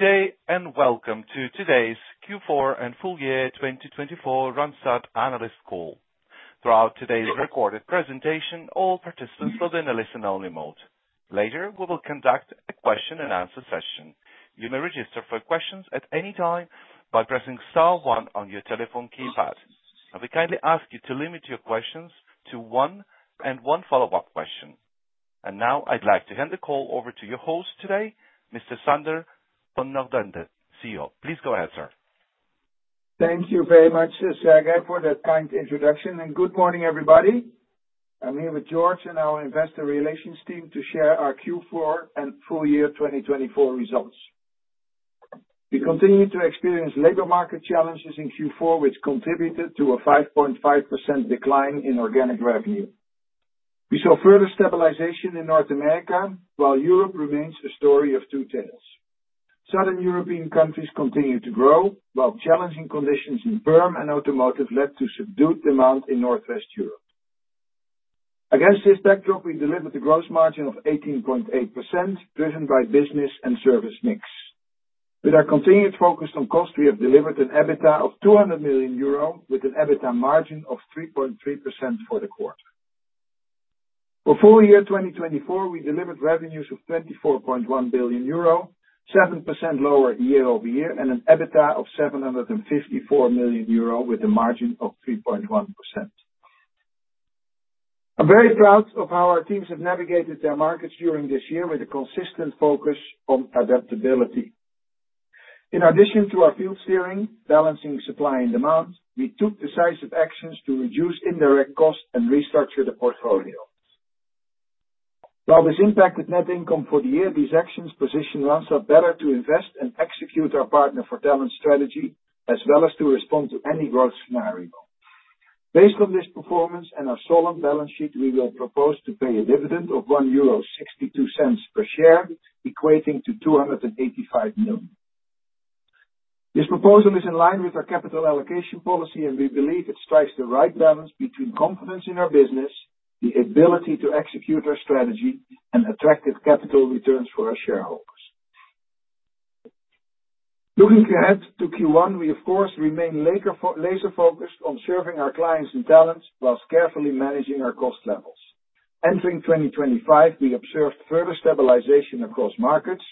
Good day and welcome to today's Q4 and Full-Year 2024 Randstad Analyst Call. Throughout today's recorded presentation, all participants will be in a listen-only mode. Later, we will conduct a question-and-answer session. You may register for questions at any time by pressing star one on your telephone keypad. I'll be kindly asking you to limit your questions to one and one follow-up question. And now, I'd like to hand the call over to your host today, Mr. Sander van 't Noordende, CEO. Please go ahead, sir. Thank you very much, Serge, for that kind introduction. And good morning, everybody. I'm here with Jorge and our investor relations team to share our Q4 and full year 2024 results. We continue to experience labor market challenges in Q4, which contributed to a 5.5% decline in organic revenue. We saw further stabilization in North America, while Europe remains a story of two tales. Southern European countries continue to grow, while challenging conditions in perm and automotive led to subdued demand in Northwest Europe. Against this backdrop, we delivered a gross margin of 18.8%, driven by business and service mix. With our continued focus on cost, we have delivered an EBITDA of 200 million euro with an EBITDA margin of 3.3% for the quarter. For full year 2024, we delivered revenues of 24.1 billion euro, 7% lower year over year, and an EBITDA of 754 million euro with a margin of 3.1%. I'm very proud of how our teams have navigated their markets during this year with a consistent focus on adaptability. In addition to our Field Steering, balancing supply and demand, we took decisive actions to reduce indirect costs and restructure the portfolio. While this impacted net income for the year, these actions position Randstad better to invest and execute our Partner for Talent strategy, as well as to respond to any growth scenario. Based on this performance and our solid balance sheet, we will propose to pay a dividend of 1.62 euro per share, equating to 285 million. This proposal is in line with our capital allocation policy, and we believe it strikes the right balance between confidence in our business, the ability to execute our strategy, and attractive capital returns for our shareholders. Looking ahead to Q1, we, of course, remain laser-focused on serving our clients and talents, while carefully managing our cost levels. Entering 2025, we observed further stabilization across markets,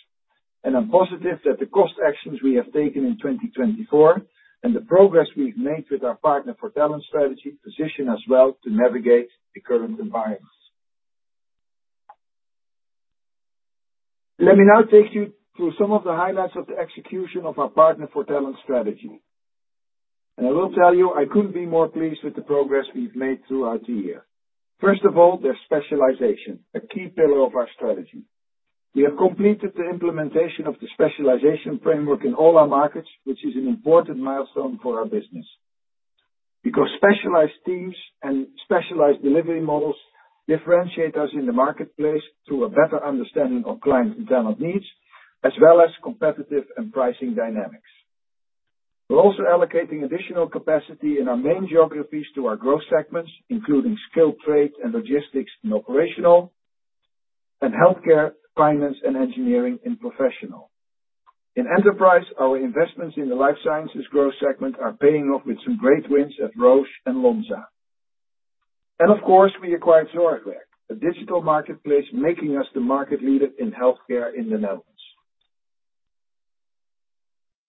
and I'm positive that the cost actions we have taken in 2024 and the progress we've made with our Partner for Talent strategy position us well to navigate the current environment. Let me now take you through some of the highlights of the execution of our Partner for Talent strategy. And I will tell you, I couldn't be more pleased with the progress we've made throughout the year. First of all, there's specialization, a key pillar of our strategy. We have completed the implementation of the specialization framework in all our markets, which is an important milestone for our business. Because specialized teams and specialized delivery models differentiate us in the marketplace through a better understanding of client and talent needs, as well as competitive and pricing dynamics. We're also allocating additional capacity in our main geographies to our growth segments, including skilled trade and logistics in Operational, and healthcare, finance, and engineering in Professional. In Enterprise, our investments in the life sciences growth segment are paying off with some great wins at Roche and Lonza, and of course, we acquired Zorgwerk, a digital marketplace making us the market leader in healthcare in the Netherlands.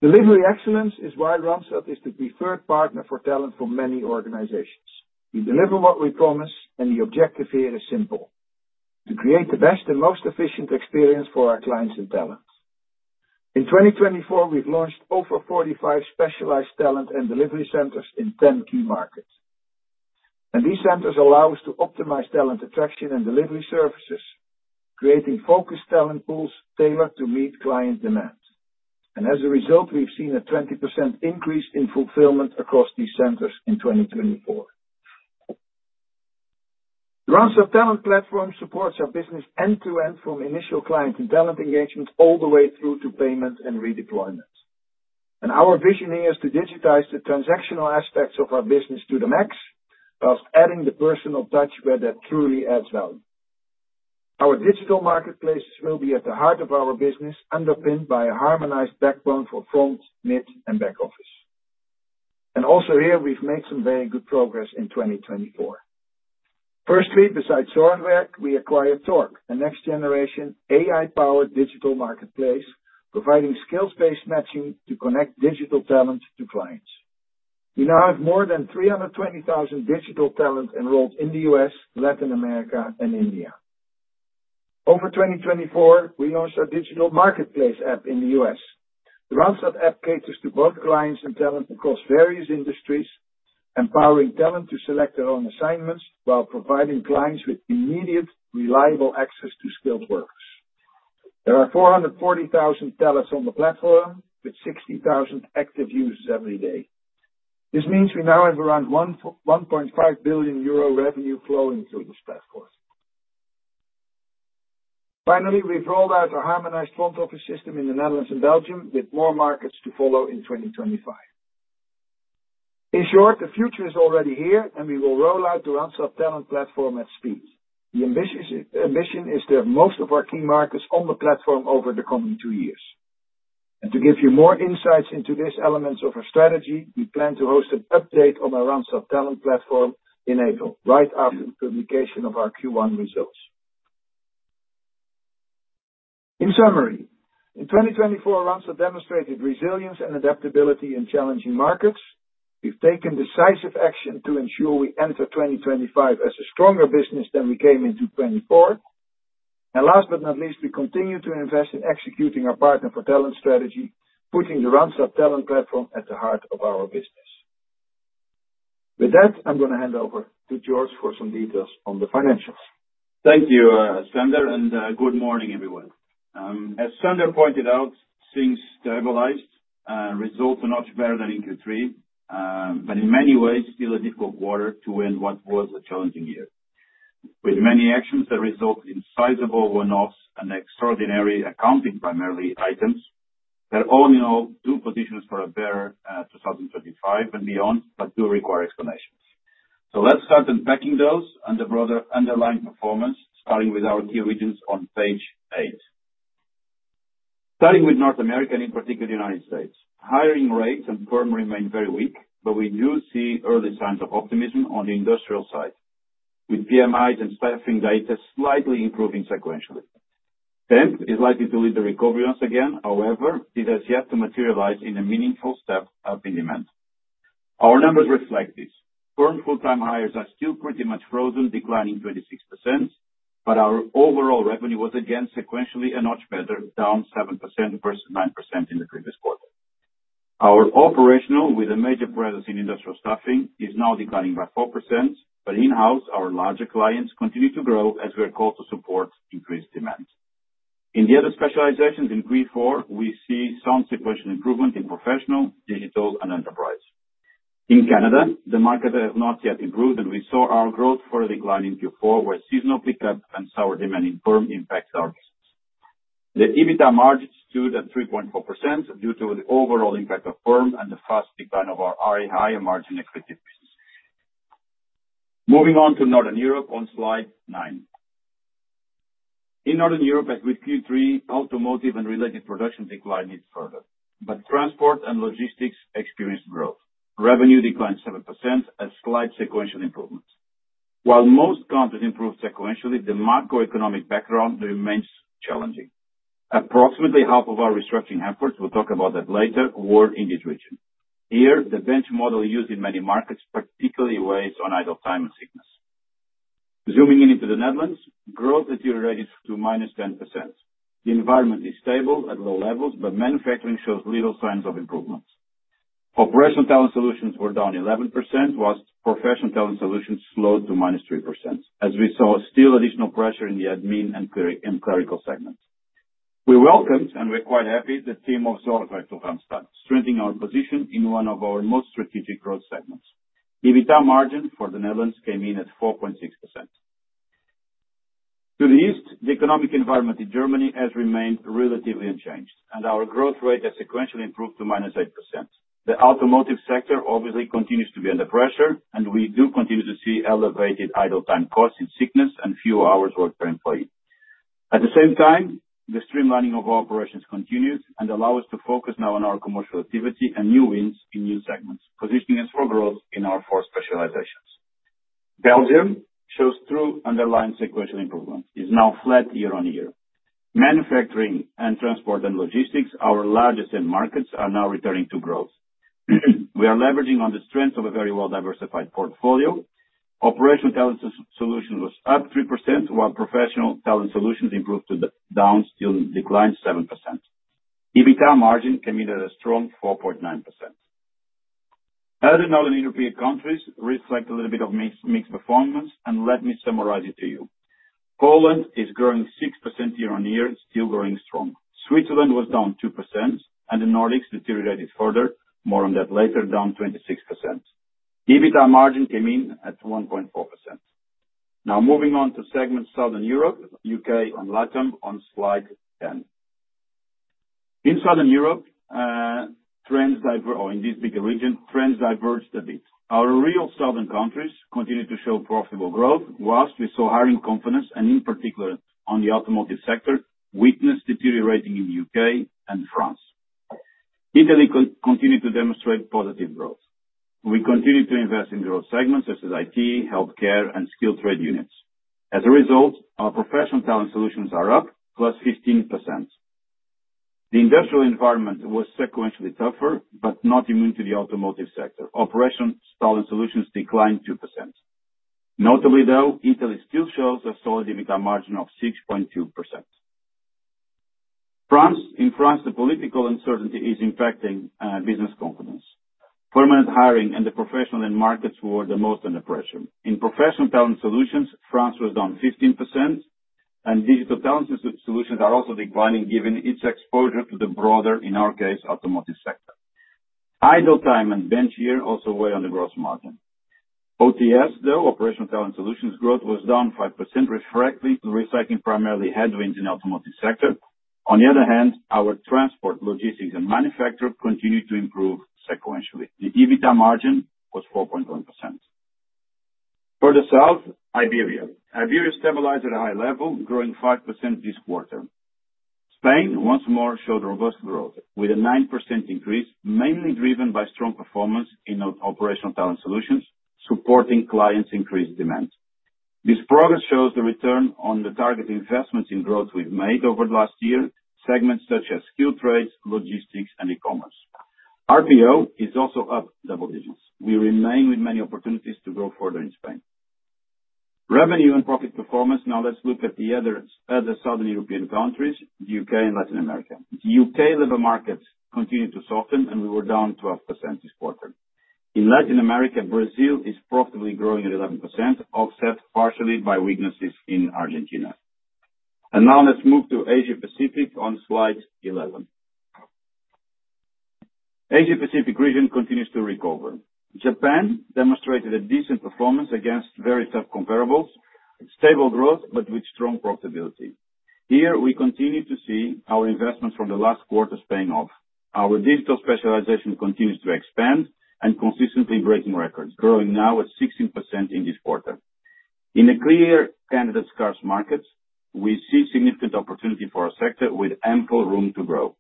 Delivery excellence is why Randstad is the preferred partner for talent for many organizations. We deliver what we promise, and the objective here is simple: to create the best and most efficient experience for our clients and talent. In 2024, we've launched over 45 specialized talent and delivery centers in 10 key markets. These centers allow us to optimize talent attraction and delivery services, creating focused talent pools tailored to meet client demand. As a result, we've seen a 20% increase in fulfillment across these centers in 2024. The Randstad Talent Platform supports our business end-to-end from initial client and talent engagement all the way through to payment and redeployment. Our vision here is to digitize the transactional aspects of our business to the max, while adding the personal touch where that truly adds value. Our Digital marketplaces will be at the heart of our business, underpinned by a harmonized backbone for front, mid, and back office. Also here, we've made some very good progress in 2024. Firstly, besides Zorgwerk, we acquired Torc, a next-generation AI-powered Digital marketplace, providing skills-based matching to connect Digital talent to clients. We now have more than 320,000 Digital talent enrolled in the US, Latin America, and India. Over 2024, we launched our Digital marketplace app in the US The Randstad App caters to both clients and talent across various industries, empowering talent to select their own assignments while providing clients with immediate, reliable access to skilled workers. There are 440,000 talents on the platform, with 60,000 active users every day. This means we now have around 1.5 billion euro revenue flowing through this platform. Finally, we've rolled out a harmonized front office system in the Netherlands and Belgium, with more markets to follow in 2025. In short, the future is already here, and we will roll out the Randstad Talent Platform at speed. The ambition is to have most of our key markets on the platform over the coming two years. To give you more insights into these elements of our strategy, we plan to host an update on our Randstad Talent Platform in April, right after the publication of our Q1 results. In summary, in 2024, Randstad demonstrated resilience and adaptability in challenging markets. We've taken decisive action to ensure we enter 2025 as a stronger business than we came into 2024. Last but not least, we continue to invest in executing our Partner for Talent strategy, putting the Randstad Talent Platform at the heart of our business. With that, I'm going to hand over to Jorge for some details on the financials. Thank you, Sander, and good morning, everyone. As Sander pointed out, things stabilized. Results are not better than in Q3, but in many ways, still a difficult quarter to end what was a challenging year. With many actions that resulted in sizable one-offs and extraordinary accounting primarily items, there are all in all two positions for a better 2025 and beyond, but do require explanations. So let's start unpacking those and the broader underlying performance, starting with our key regions on page eight. Starting with North America, and in particular the United States. Hiring rates and perm remain very weak, but we do see early signs of optimism on the industrial side, with PMIs and staffing data slightly improving sequentially. Temp is likely to lead the recovery once again, however, it has yet to materialize in a meaningful step up in demand. Our numbers reflect this. Permanent full-time hires are still pretty much frozen, declining 26%, but our overall revenue was again sequentially a notch better, down 7% versus 9% in the previous quarter. Our Operational, with a major presence in industrial staffing, is now declining by 4%, but in-house, our larger clients continue to grow as we are called to support increased demand. In the other specializations in Q4, we see some sequential improvement in Professional, Digital, and Enterprise. In Canada, the market has not yet improved, and we saw our growth further decline in Q4, where seasonal pickup and soft demand in permanent impact our business. The EBITDA margin stood at 3.4% due to the overall impact of permanent and the fast decline of our R&I margin equity business. Moving on to Northern Europe on slide nine. In Northern Europe, as with Q3, automotive and related production decline even further, but transport and logistics experienced growth. Revenue declined 7%, a slight sequential improvement. While most countries improved sequentially, the macroeconomic background remains challenging. Approximately half of our restructuring efforts, we'll talk about that later, were in this region. Here, the bench model used in many markets particularly weighs on idle time and sickness. Zooming in into the Netherlands, growth deteriorated to -10%. The environment is stable at low levels, but manufacturing shows little signs of improvement. Operational Talent Solutions were down 11%, while Professional Talent Solutions slowed to -3%, as we saw still additional pressure in the admin and clerical segment. We welcomed, and we're quite happy, the team of Zorgwerk to Randstad, strengthening our position in one of our most strategic growth segments. EBITDA margin for the Netherlands came in at 4.6%. To the east, the economic environment in Germany has remained relatively unchanged, and our growth rate has sequentially improved to -8%. The automotive sector obviously continues to be under pressure, and we do continue to see elevated idle time costs and sickness and fewer hours worked per employee. At the same time, the streamlining of our operations continues and allows us to focus now on our commercial activity and new wins in new segments, positioning us for growth in our four specializations. Belgium shows through underlying sequential improvement. It's now flat year on year. Manufacturing and transport and logistics, our largest end markets, are now returning to growth. We are leveraging on the strength of a very well-diversified portfolio. Operational Talent Solutions were up 3%, while Professional Talent Solutions improved to the down, still declined 7%. EBITDA margin came in at a strong 4.9%. Other non-European countries reflect a little bit of mixed performance, and let me summarize it to you. Poland is growing 6% year on year, still growing strong. Switzerland was down 2%, and the Nordics deteriorated further, more on that later, down 26%. EBITDA margin came in at 1.4%. Now moving on to segment Southern Europe, UK, and Latam on slide 10. In Southern Europe, trends diverged in this big region, trends diverged a bit. Our real southern countries continued to show profitable growth, whilst we saw hiring confidence, and in particular on the automotive sector, weakness deteriorating in the UK and France. Italy continued to demonstrate positive growth. We continue to invest in growth segments such as IT, healthcare, and skilled trade units. As a result, our Professional Talent Solutions are up plus 15%. The industrial environment was sequentially tougher, but not immune to the automotive sector. Operational Talent Solutions declined 2%. Notably though, Italy still shows a solid EBITDA margin of 6.2%. In France, the political uncertainty is impacting business confidence. Permanent hiring and the professional end markets were the most under pressure. In Professional Talent Solutions, France was down 15%, and Digital Talent Solutions are also declining, given its exposure to the broader, in our case, automotive sector. Idle time and bench, yeah, also weigh on the gross margin. OTS, though, Operational Talent Solutions growth was down 5%, reflecting primarily headwinds in the automotive sector. On the other hand, our transport, logistics, and manufacturing continued to improve sequentially. The EBITDA margin was 4.1%. Further south, Iberia stabilized at a high level, growing 5% this quarter. Spain, once more, showed robust growth with a 9% increase, mainly driven by strong performance in Operational Talent Solutions, supporting clients' increased demand. This progress shows the return on the target investments in growth we've made over the last year, segments such as skilled trades, logistics, and e-commerce. RPO is also up double digits. We remain with many opportunities to grow further in Spain. Revenue and profit performance, now let's look at the other southern European countries, the UK and Latin America. The UK labor markets continue to soften, and we were down 12% this quarter. In Latin America, Brazil is profitably growing at 11%, offset partially by weaknesses in Argentina, and now let's move to Asia-Pacific on slide 11. Asia-Pacific region continues to recover. Japan demonstrated a decent performance against very tough comparables, stable growth, but with strong profitability. Here, we continue to see our investments from the last quarter paying off. Our Digital specialization continues to expand and consistently breaking records, growing now at 16% in this quarter. In the currently candidate-scarce markets, we see significant opportunity for our sector with ample room to grow.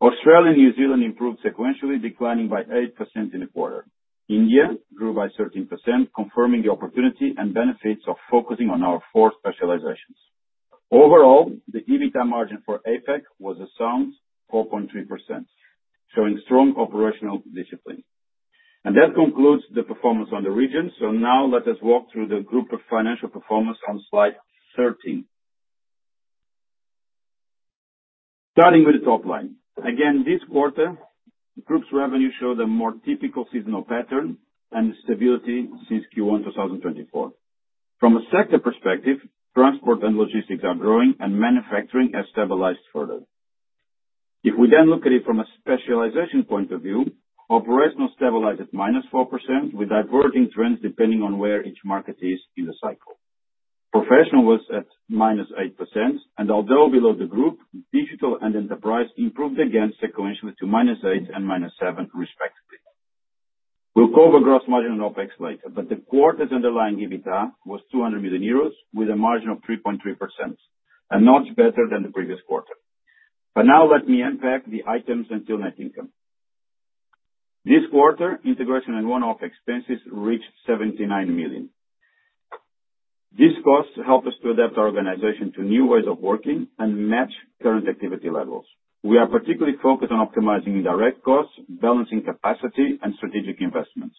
Australia and New Zealand improved sequentially, declining by eight% in the quarter. India grew by 13%, confirming the opportunity and benefits of focusing on our four specializations. Overall, the EBITDA margin for APAC was a sound 4.3%, showing strong operational discipline. And that concludes the performance on the region. So now let us walk through the group's financial performance on slide 13. Starting with the top line. Again, this quarter, group's revenue showed a more typical seasonal pattern and stability since Q1 2024. From a sector perspective, transport and logistics are growing, and manufacturing has stabilized further. If we then look at it from a specialization point of view, Operational stabilized at -4% with diverging trends depending on where each market is in the cycle. Professional was at -8%, and although below the group, Digital and Enterprise improved again sequentially to -8% and -7%, respectively. We'll cover gross margin and OpEx later, but the quarter's underlying EBITDA was 200 million euros with a margin of 3.3%, a notch better than the previous quarter. But now let me unpack the items until net income. This quarter, integration and one-off expenses reached 79 million. These costs helped us to adapt our organization to new ways of working and match current activity levels. We are particularly focused on optimizing indirect costs, balancing capacity, and strategic investments.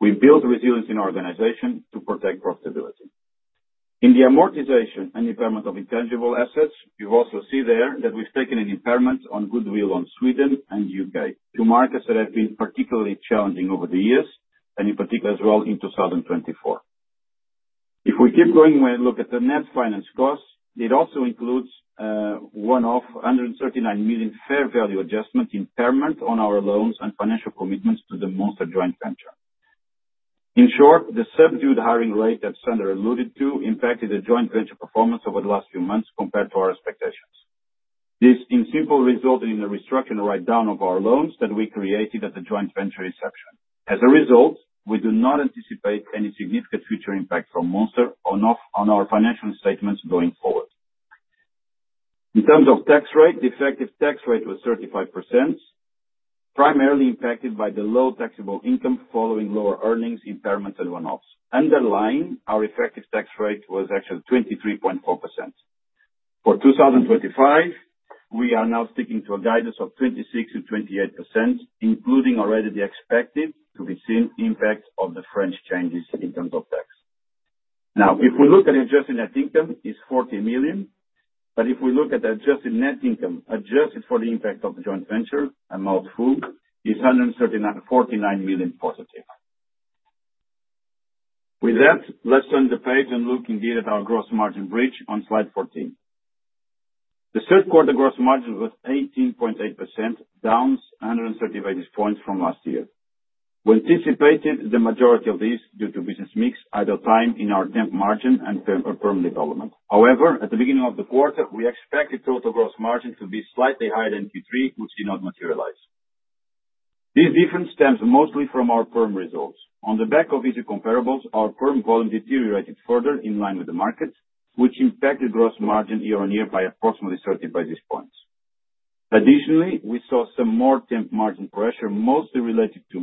We built resilience in our organization to protect profitability. In the amortization and impairment of intangible assets, you also see there that we've taken an impairment on goodwill on Sweden and UK to markets that have been particularly challenging over the years, and in particular as well in 2024. If we keep going, we look at the net finance costs. It also includes one-off 139 million fair value adjustment impairment on our loans and financial commitments to the Monster joint venture. In short, the subdued hiring rate that Sander alluded to impacted the joint venture performance over the last few months compared to our expectations. This simply resulted in a restructuring write-down of our loans that we created at the joint venture inception. As a result, we do not anticipate any significant future impact from Monster on our financial statements going forward. In terms of tax rate, the effective tax rate was 35%, primarily impacted by the low taxable income following lower earnings, impairments, and one-offs. Underlying, our effective tax rate was actually 23.4%. For 2025, we are now sticking to a guidance of 26%-28%, including already the expected to be seen impact of the French changes in terms of tax. Now, if we look at adjusting net income, it's 40 million, but if we look at adjusted net income adjusted for the impact of the joint venture, Monster, it's EUR 149 million positive. With that, let's turn the page and look indeed at our gross margin bridge on slide 14. The Q3 gross margin was 18.8%, down 130 basis points from last year. We anticipated the majority of this due to business mix idle time in our temp margin and perm development. However, at the beginning of the quarter, we expected total gross margin to be slightly higher than Q3, which did not materialize. This difference stems mostly from our perm results. On the back of easy comparables, our perm volume deteriorated further in line with the markets, which impacted gross margin year on year by approximately 30 basis points. Additionally, we saw some more temp margin pressure, mostly related to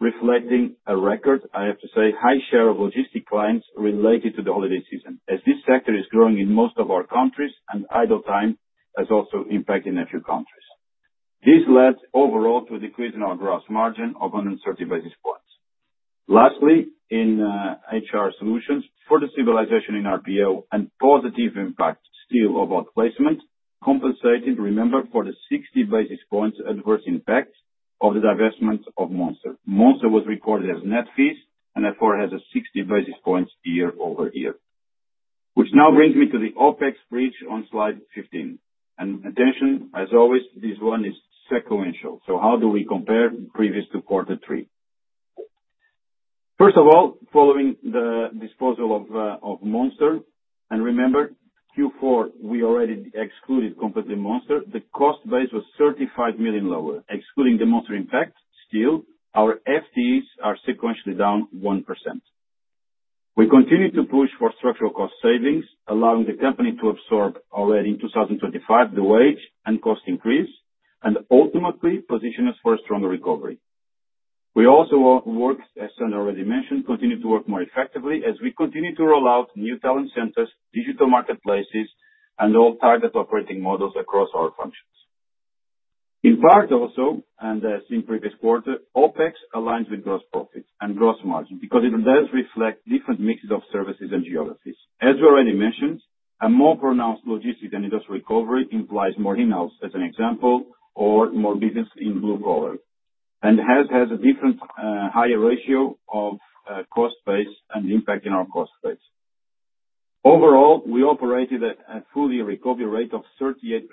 mix, reflecting a record, I have to say, high share of logistics clients related to the holiday season, as this sector is growing in most of our countries, and idle time has also impacted a few countries. This led overall to a decrease in our gross margin of 130 basis points. Lastly, in HR Solutions, further stabilization in RPO and positive impact still of outplacement compensated, remember, for the 60 basis points adverse impact of the divestment of Monster. Monster was recorded as net fees and therefore has a 60 basis points year over year. Which now brings me to the OpEx bridge on slide 15. Attention, as always, this one is sequential. How do we compare previous to Q3? First of all, following the disposal of Monster, and remember, Q4, we already excluded completely Monster, the cost base was 35 million lower. Excluding the Monster impact, still, our FTEs are sequentially down 1%. We continue to push for structural cost savings, allowing the company to absorb already in 2025 the wage and cost increase, and ultimately position us for a stronger recovery. We also work, as Sander already mentioned, continue to work more effectively as we continue to roll out new talent centers, Digital marketplaces, and all targeted operating models across our functions. In part also, and as seen previous quarter, OpEx aligns with gross profits and gross margin because it does reflect different mixes of services and geographies. As we already mentioned, a more pronounced logistics and industrial recovery implies more in-house as an example or more business in blue-collar, and has a different higher ratio of cost base and impacting our cost base. Overall, we operated at a full-year recovery rate of 38%.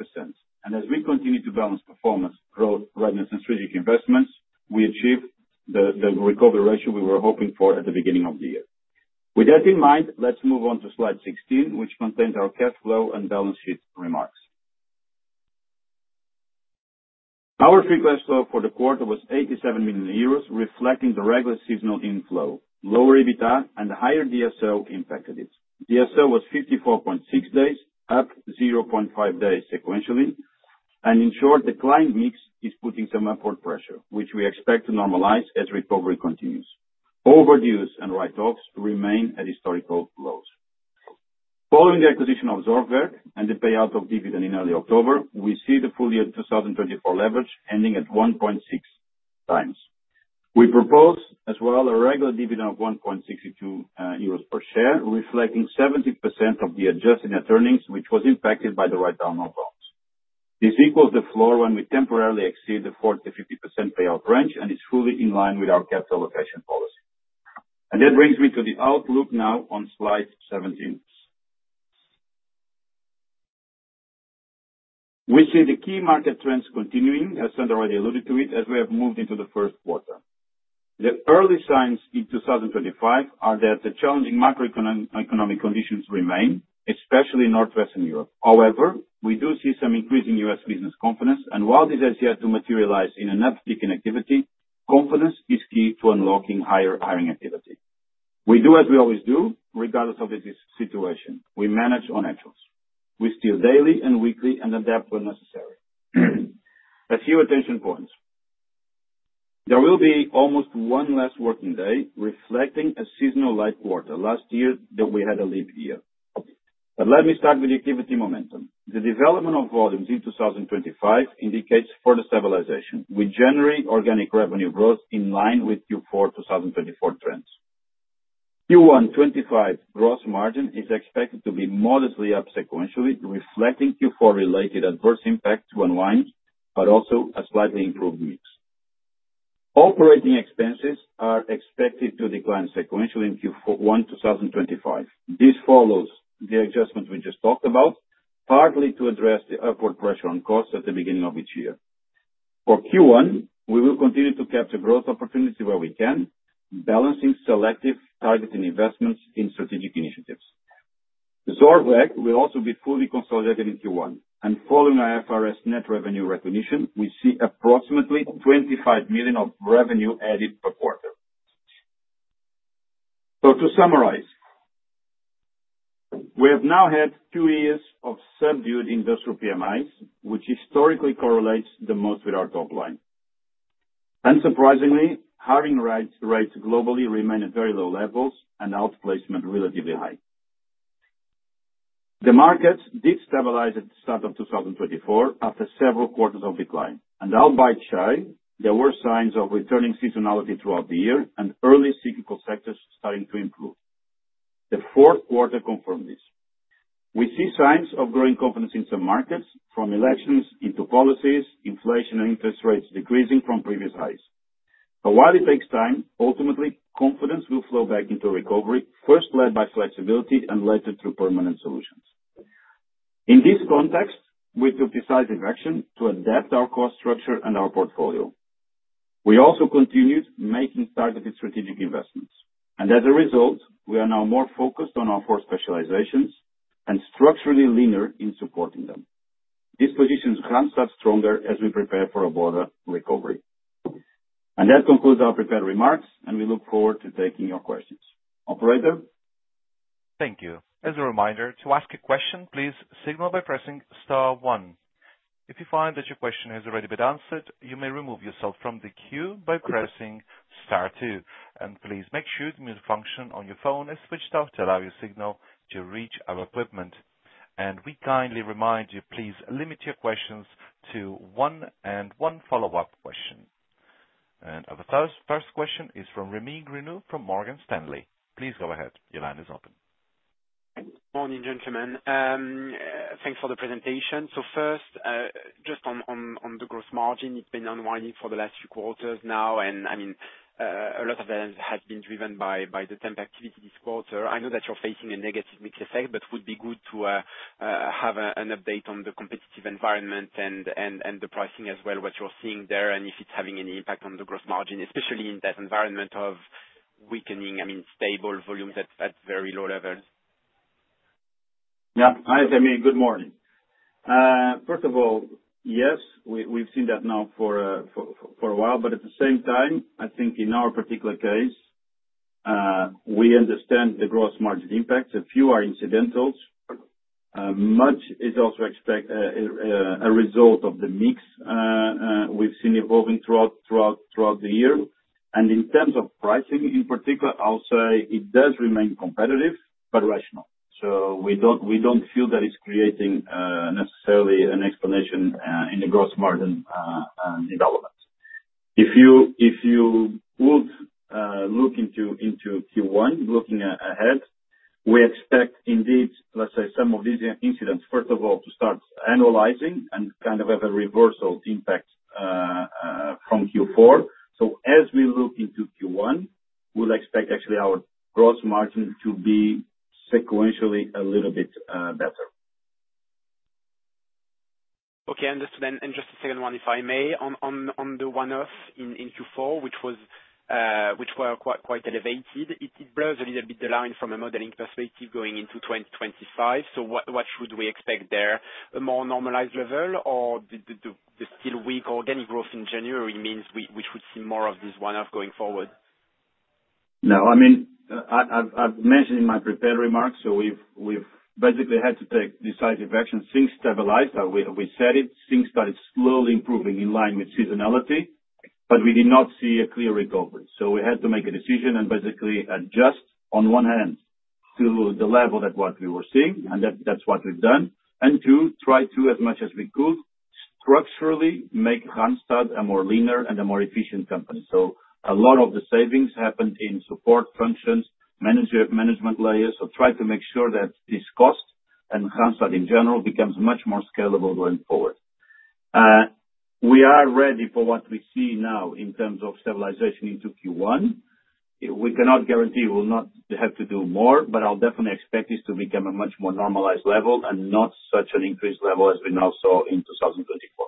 As we continue to balance performance, growth, readiness, and strategic investments, we achieve the recovery ratio we were hoping for at the beginning of the year. With that in mind, let's move on to slide 16, which contains our cash flow and balance sheet remarks. Our cash flow for the quarter was 87 million euros, reflecting the regular seasonal inflow. Lower EBITDA and the higher DSO impacted it. DSO was 54.6 days, up 0.5 days sequentially. In short, the client mix is putting some upward pressure, which we expect to normalize as recovery continues. Overdues and write-offs remain at historical lows. Following the acquisition of Zorgwerk and the payout of dividend in early October, we see the full year 2024 leverage ending at 1.6 times. We propose as well a regular dividend of 1.62 euros per share, reflecting 70% of the adjusted net earnings, which was impacted by the write-down of loans. This equals the floor when we temporarily exceed the 40%-50% payout range, and it's fully in line with our capital allocation policy. That brings me to the outlook now on slide 17. We see the key market trends continuing, as Sander already alluded to it, as we have moved into the Q1 The early signs in 2025 are that the challenging macroeconomic conditions remain, especially in Northwestern Europe. However, we do see some increasing U.S. business confidence, and while this has yet to materialize in an uptick in activity, confidence is key to unlocking higher hiring activity. We do as we always do, regardless of the situation. We manage on actuals. We steer daily and weekly and adapt when necessary. A few attention points. There will be almost one less working day, reflecting a seasonal light quarter. Last year, we had a leap year. But let me start with the activity momentum. The development of volumes in 2025 indicates further stabilization. We generate organic revenue growth in line with Q4 2024 trends. Q1 2025 gross margin is expected to be modestly up sequentially, reflecting Q4 related adverse impact to unwind, but also a slightly improved mix. Operating expenses are expected to decline sequentially in Q1 2025. This follows the adjustment we just talked about, partly to address the upward pressure on costs at the beginning of each year. For Q1, we will continue to capture growth opportunities where we can, balancing selective targeted investments in strategic initiatives. Zorgwerk will also be fully consolidated in Q1. And following IFRS net revenue recognition, we see approximately 25 million of revenue added per quarter. So to summarize, we have now had two years of subdued industrial PMIs, which historically correlates the most with our top line. Unsurprisingly, hiring rates globally remain at very low levels and outplacement relatively high. The markets did stabilize at the start of 2024 after several quarters of decline. And outside China, there were signs of returning seasonality throughout the year and early cyclical sectors starting to improve. The Q4 confirmed this. We see signs of growing confidence in some markets from elections into policies, inflation, and interest rates decreasing from previous highs. But while it takes time, ultimately, confidence will flow back into recovery, first led by flexibility and later through permanent solutions. In this context, we took decisive action to adapt our cost structure and our portfolio. We also continued making targeted strategic investments. And as a result, we are now more focused on our four specializations and structurally leaner in supporting them. This positions us to start stronger as we prepare for a broader recovery. And that concludes our prepared remarks, and we look forward to taking your questions. Operator? Thank you. As a reminder, to ask a question, please signal by pressing Star 1. If you find that your question has already been answered, you may remove yourself from the queue by pressing Star 2. Please make sure the music function on your phone is switched off to allow your signal to reach our equipment. We kindly remind you, please limit your questions to one and one follow-up question. Our first question is from Rémi Grenu from Morgan Stanley. Please go ahead. Your line is open. Morning, gentlemen. Thanks for the presentation. First, just on the gross margin, it's been unwinding for the last few quarters now. I mean, a lot of that has been driven by the temp activity this quarter. I know that you're facing a negative mixed effect, but would be good to have an update on the competitive environment and the pricing as well, what you're seeing there, and if it's having any impact on the gross margin, especially in that environment of weakening, I mean, stable volumes at very low levels. Yeah. Hi, Rémi. Good morning. First of all, yes, we've seen that now for a while, but at the same time, I think in our particular case, we understand the gross margin impacts. A few are incidentals. Much is also a result of the mix we've seen evolving throughout the year, and in terms of pricing in particular, I'll say it does remain competitive but rational, so we don't feel that it's creating necessarily an explanation in the gross margin development. If you would look into Q1, looking ahead, we expect indeed, let's say, some of these incidents, first of all, to start analyzing and kind of have a reversal impact from Q4, so as we look into Q1, we'll expect actually our gross margin to be sequentially a little bit better. Okay. And just a second one, if I may, on the one-off in Q4, which were quite elevated. It blurs a little bit the line from a modeling perspective going into 2025. So what should we expect there? A more normalized level or the still weak organic growth in January means we should see more of this one-off going forward? No. I mean, I've mentioned in my prepared remarks, so we've basically had to take decisive action since stabilized. We said it since started slowly improving in line with seasonality, but we did not see a clear recovery. So we had to make a decision and basically adjust on one hand to the level that what we were seeing, and that's what we've done. And two, try to, as much as we could, structurally make Randstad a more leaner and a more efficient company. So a lot of the savings happened in support functions, management layers. So try to make sure that this cost and Randstad in general becomes much more scalable going forward. We are ready for what we see now in terms of stabilization into Q1. We cannot guarantee we will not have to do more, but I'll definitely expect this to become a much more normalized level and not such an increased level as we now saw in 2024.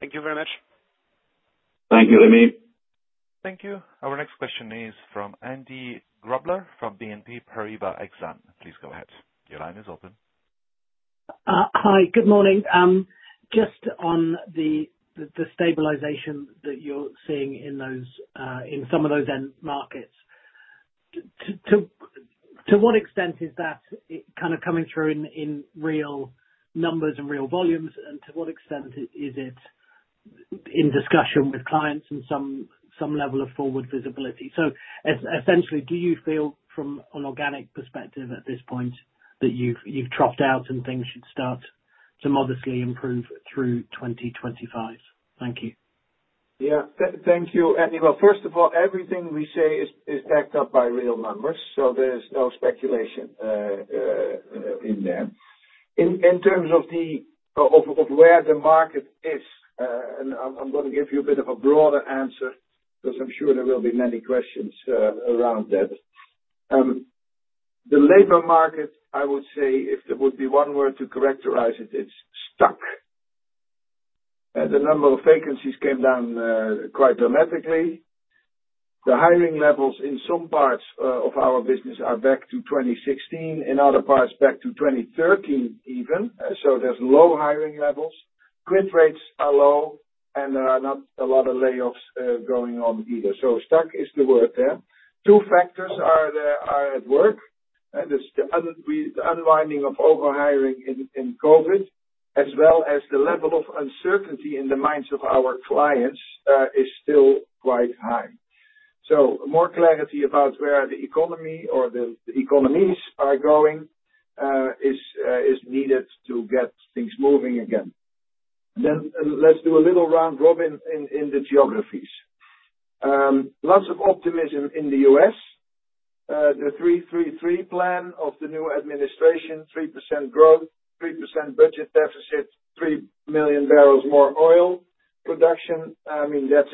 Thank you very much. Thank you, Rémi. Thank you. Our next question is from Andy Grobler from BNP Paribas Exane. Please go ahead. Your line is open. Hi. Good morning. Just on the stabilization that you're seeing in some of those end markets, to what extent is that kind of coming through in real numbers and real volumes, and to what extent is it in discussion with clients and some level of forward visibility? So essentially, do you feel from an organic perspective at this point that you've troughed out and things should start to modestly improve through 2025? Thank you. Yeah. Thank you, Andy. Well, first of all, everything we say is backed up by real numbers, so there's no speculation in there. In terms of where the market is, and I'm going to give you a bit of a broader answer because I'm sure there will be many questions around that. The labor market, I would say, if there would be one word to characterize it, it's stuck. The number of vacancies came down quite dramatically. The hiring levels in some parts of our business are back to 2016, in other parts back to 2013 even. So there's low hiring levels. Quit rates are low, and there are not a lot of layoffs going on either. So stuck is the word there. Two factors are at work. The unwinding of overhiring in COVID, as well as the level of uncertainty in the minds of our clients, is still quite high. So more clarity about where the economy or the economies are going is needed to get things moving again. Then let's do a little round robin in the geographies. Lots of optimism in the US. The 3-3-3 plan of the new administration, 3% growth, 3% budget deficit, 3 million barrels more oil production. I mean, that's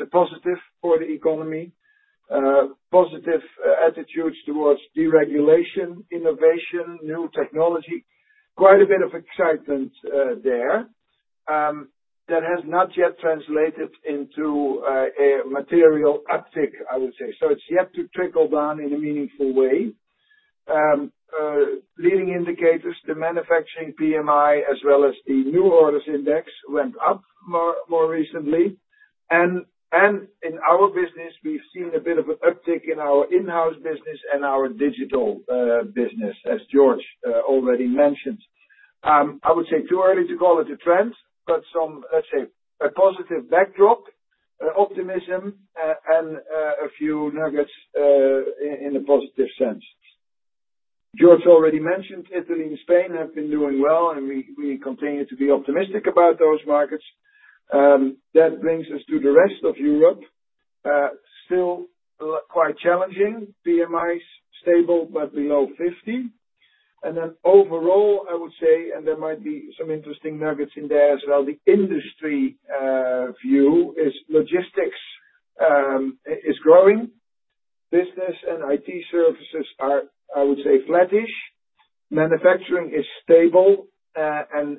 a positive for the economy. Positive attitudes towards deregulation, innovation, new technology. Quite a bit of excitement there. That has not yet translated into a material uptick, I would say, so it's yet to trickle down in a meaningful way. Leading indicators, the manufacturing PMI, as well as the new orders index, went up more recently, and in our business, we've seen a bit of an uptick in our in-house business and our Digital business, as Jorge already mentioned. I would say too early to call it a trend, but some, let's say, a positive backdrop, optimism, and a few nuggets in a positive sense. Jorge already mentioned Italy and Spain have been doing well, and we continue to be optimistic about those markets. That brings us to the rest of Europe. Still quite challenging. PMIs stable, but below 50, and then overall, I would say, and there might be some interesting nuggets in there as well, the industry view is logistics is growing. Business and IT services are, I would say, flattish. Manufacturing is stable. And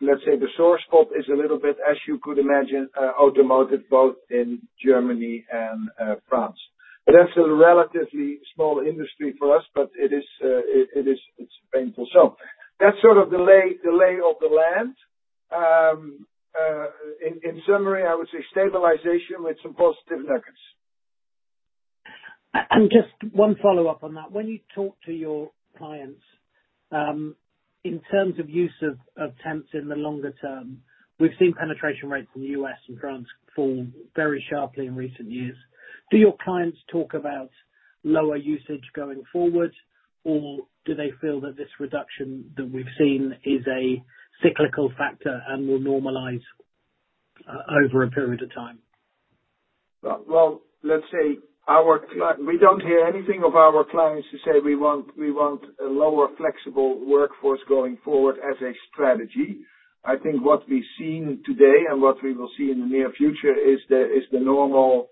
let's say the sore spot is a little bit, as you could imagine, automotive, both in Germany and France. But that's a relatively small industry for us, but it is painful. So that's sort of the lay of the land. In summary, I would say stabilization with some positive nuggets. And just one follow-up on that. When you talk to your clients, in terms of use of temps in the longer term, we've seen penetration rates in the U.S. and France fall very sharply in recent years. Do your clients talk about lower usage going forward, or do they feel that this reduction that we've seen is a cyclical factor and will normalize over a period of time? Well, let's say we don't hear anything of our clients to say we want a lower flexible workforce going forward as a strategy. I think what we've seen today and what we will see in the near future is the normal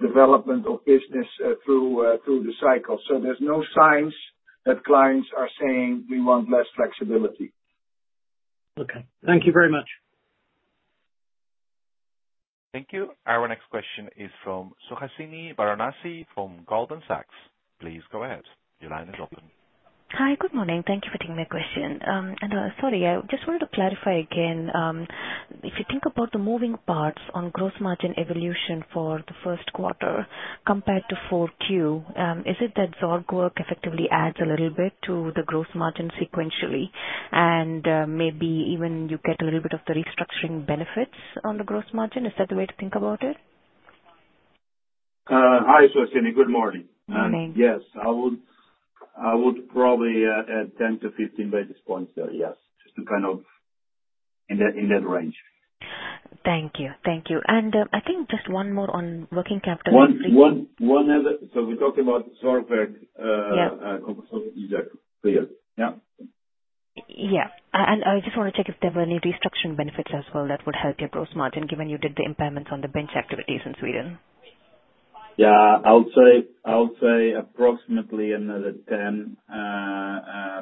development of business through the cycle. So there's no signs that clients are saying we want less flexibility. Okay. Thank you very much. Thank you. Our next question is from Suhasini Varanasi from Goldman Sachs. Please go ahead. Your line is open. Hi. Good morning. Thank you for taking my question. And sorry, I just wanted to clarify again. If you think about the moving parts on gross margin evolution for the Q1 compared to Q4, is it that Zorgwerk effectively adds a little bit to the gross margin sequentially and maybe even you get a little bit of the restructuring benefits on the gross margin? Is that the way to think about it? Hi, Suhasini. Good morning. Good morning. Yes. I would probably add 10-15 basis points there, yes, just to kind of in that range. Thank you. Thank you. And I think just one more on working capital. One other so we're talking about Zorgwerk. Exactly. Yeah. Yeah. And I just want to check if there were any restructuring benefits as well that would help your gross margin given you did the impairments on the bench activities in Sweden. Yeah. I'll say approximately another 10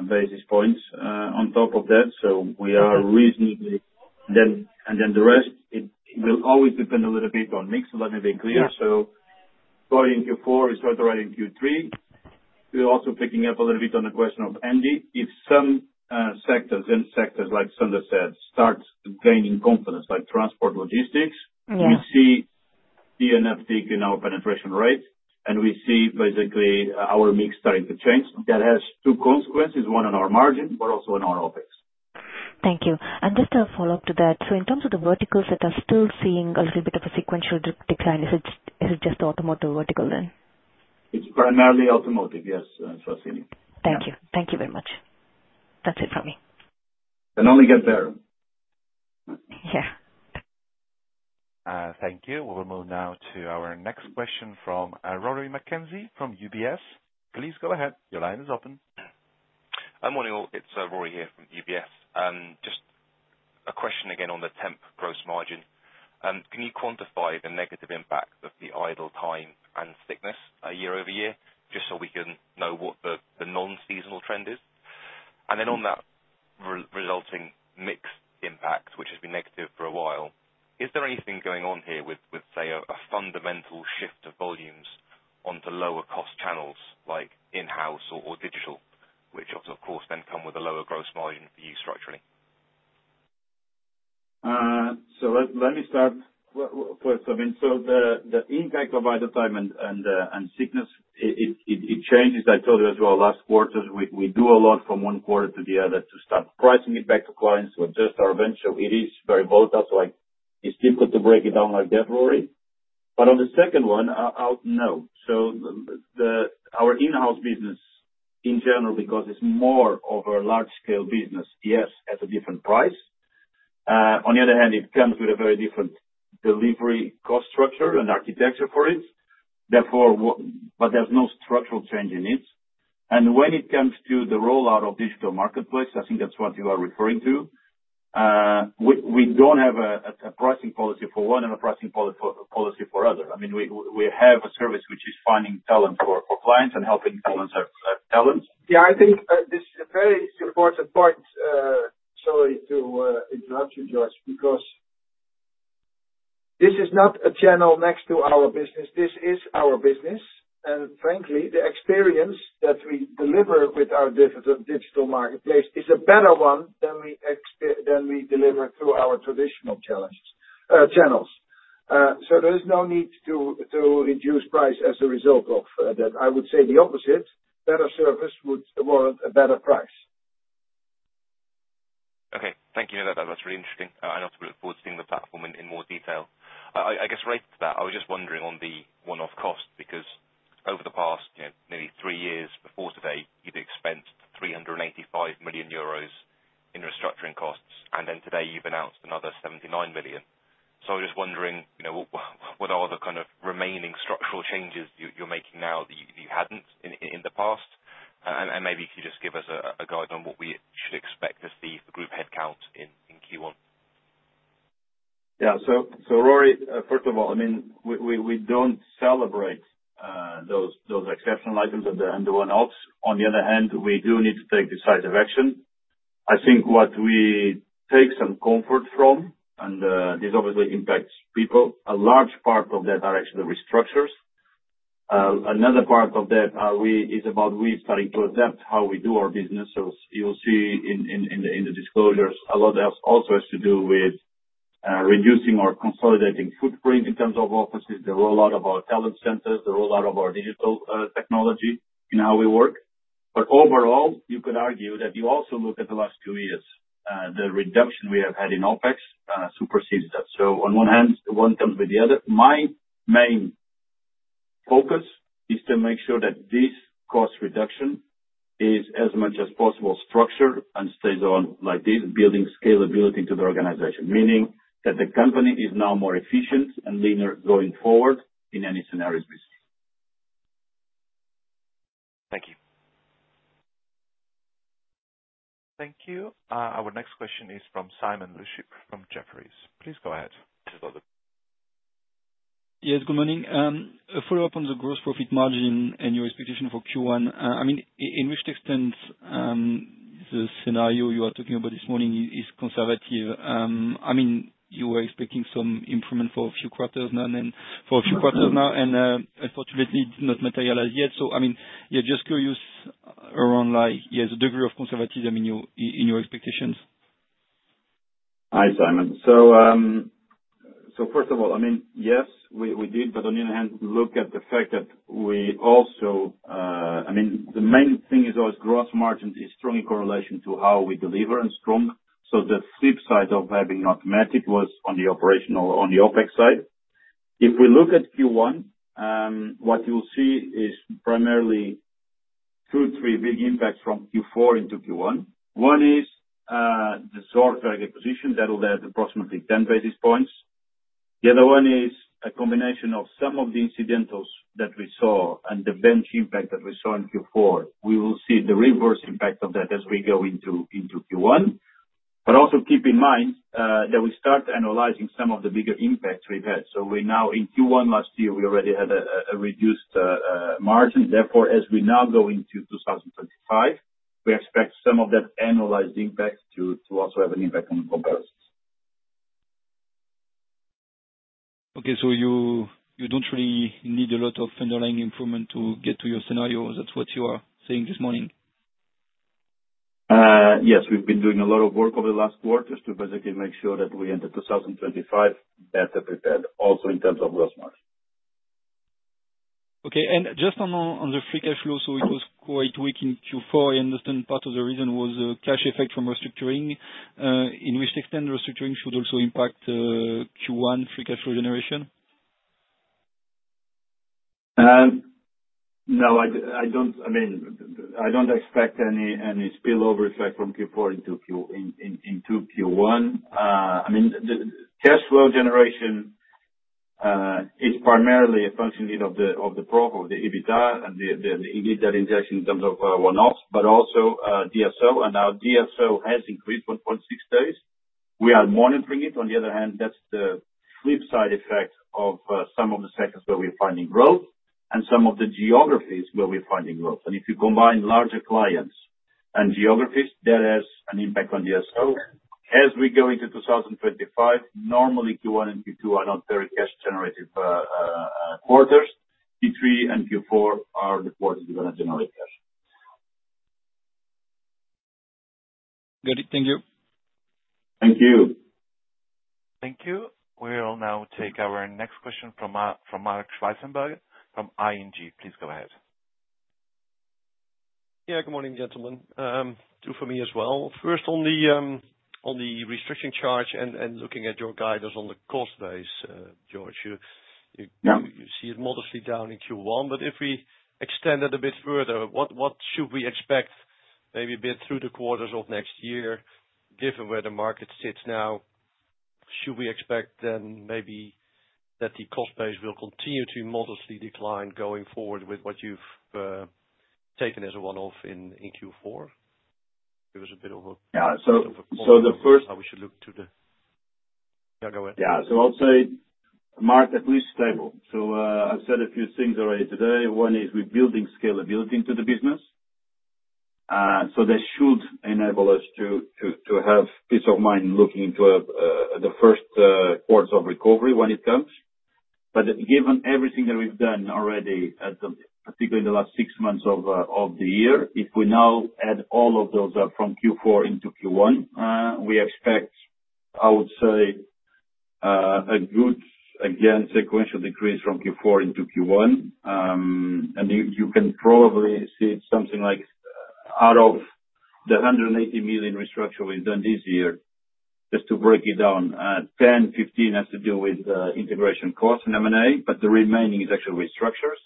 basis points on top of that. So we are reasonably and then the rest, it will always depend a little bit on mix, let me be clear. So going into Q4, it's not already in Q3. We're also picking up a little bit on the question of Andy. If some sectors, like Sander said, start gaining confidence, like transport logistics, we see the improvement in our penetration rate, and we see basically our mix starting to change. That has two consequences, one on our margin, but also on our OpEx. Thank you. And just a follow-up to that. So in terms of the verticals that are still seeing a little bit of a sequential decline, is it just the automotive vertical then? It's primarily automotive, yes, Suhasini. Thank you. Thank you very much. That's it from me. Can only get better. Yeah. Thank you. We will move now to our next question from Rory McKenzie from UBS. Please go ahead. Your line is open. Hi, morning. It's Rory here from UBS. Just a question again on the temp gross margin. Can you quantify the negative impact of the idle time and sickness year over year just so we can know what the non-seasonal trend is? And then on that resulting mixed impact, which has been negative for a while, is there anything going on here with, say, a fundamental shift of volumes onto lower-cost channels like in-house or Digital, which, of course, then come with a lower gross margin for you structurally? So let me start first. I mean, so the impact of idle time and sickness, it changes. I told you as well last quarter, we do a lot from one quarter to the other to start pricing it back to clients to adjust our bench. So it is very volatile. So it's difficult to break it down like that, Rory. But on the second one, I'll know. Our in-house business in general, because it's more of a large-scale business, yes, has a different price. On the other hand, it comes with a very different delivery cost structure and architecture for it. Therefore, but there's no structural change in it. And when it comes to the rollout of Digital marketplace, I think that's what you are referring to. We don't have a pricing policy for one and a pricing policy for other. I mean, we have a service which is finding talent for clients and helping talent. Yeah. I think this is a very important point. Sorry to interrupt you, Jorge, because this is not a channel next to our business. This is our business. And frankly, the experience that we deliver with our Digital marketplace is a better one than we deliver through our traditional channels. So there is no need to reduce price as a result of that. I would say the opposite. Better service would warrant a better price. Okay. Thank you. That's really interesting. I look forward to seeing the platform in more detail. I guess related to that, I was just wondering on the one-off cost because over the past maybe three years before today, you'd expend 385 million euros in restructuring costs. And then today, you've announced another 79 million. So I was just wondering, what are the kind of remaining structural changes you're making now that you hadn't in the past? And maybe you could just give us a guide on what we should expect to see for group headcount in Q1. Yeah. So Rory, first of all, I mean, we don't celebrate those exceptional items and the one-offs. On the other hand, we do need to take decisive action. I think what we take some comfort from, and this obviously impacts people, a large part of that are actually restructures. Another part of that is about we starting to adapt how we do our business. So you'll see in the disclosures, a lot of that also has to do with reducing or consolidating footprint in terms of offices, the rollout of our talent centers, the rollout of our Digital technology in how we work. But overall, you could argue that you also look at the last two years, the reduction we have had in OpEx supersedes that. So on one hand, one comes with the other. My main focus is to make sure that this cost reduction is as much as possible structured and stays on like this, building scalability to the organization, meaning that the company is now more efficient and leaner going forward in any scenarios we see. Thank you. Thank you. Our next question is from Simon LeChipre from Jefferies. Please go ahead. Yes. Good morning. A follow-up on the gross profit margin and your expectation for Q1. I mean, in which extent the scenario you are talking about this morning is conservative? I mean, you were expecting some improvement for a few quarters now and then for a few quarters now, and unfortunately, it did not materialize yet. So I mean, you're just curious around, yeah, the degree of conservatism in your expectations. Hi, Simon. So first of all, I mean, yes, we did. But on the other hand, look at the fact that we also—I mean, the main thing is always gross margin is strong in correlation to how we deliver and strong. So the flip side of having not met it was on the operational, on the OpEx side. If we look at Q1, what you'll see is primarily two, three big impacts from Q4 into Q1. One is the Zorgwerk acquisition that will add approximately 10 basis points. The other one is a combination of some of the incidentals that we saw and the bench impact that we saw in Q4. We will see the reverse impact of that as we go into Q1. But also keep in mind that we start analyzing some of the bigger impacts we've had. So we're now in Q1 last year, we already had a reduced margin. Therefore, as we now go into 2025, we expect some of that annualized impact to also have an impact on the comparisons. Okay. So you don't really need a lot of underlying improvement to get to your scenario. Is that what you are saying this morning? Yes. We've been doing a lot of work over the last quarter to basically make sure that we enter 2025 better prepared, also in terms of gross margin. Okay. And just on the free cash flow, so it was quite weak in Q4. I understand part of the reason was cash effect from restructuring. To what extent should restructuring also impact Q1 free cash flow generation? No. I mean, I don't expect any spillover effect from Q4 into Q1. I mean, cash flow generation is primarily a function of the profile of the EBITDA and the EBITDA injection in terms of one-offs, but also DSO. And now DSO has increased 1.6 days. We are monitoring it. On the other hand, that's the flip side effect of some of the sectors where we're finding growth and some of the geographies where we're finding growth. And if you combine larger clients and geographies, that has an impact on DSO. As we go into 2025, normally Q1 and Q2 are not very cash-generative quarters. Q3 and Q4 are the quarters we're going to generate cash. Got it. Thank you. Thank you. Thank you. We will now take our next question from Marc Zwartsenburg from ING. Please go ahead. Yeah. Good morning, gentlemen. Do for me as well. First, on the restructuring charge and looking at your guidance on the cost base, Jorge, you see it modestly down in Q1. But if we extend that a bit further, what should we expect maybe a bit through the quarters of next year, given where the market sits now? Should we expect then maybe that the cost base will continue to modestly decline going forward with what you've taken as a one-off in Q4? Yeah, so i'll. Give us a bit of a forecast of how we should look to, yeah. Go ahead. Yeah, so I'll say, Marc, at least stable. I've said a few things already today. One is we're building scalability into the business. That should enable us to have peace of mind looking into the first quarters of recovery when it comes. But given everything that we've done already, particularly in the last six months of the year, if we now add all of those up from Q4 into Q1, we expect, I would say, a good, again, sequential decrease from Q4 into Q1. And you can probably see something like out of the 180 million restructuring we've done this year, just to break it down, 10 million to 15 million has to do with integration costs and M&A, but the remaining is actually restructures.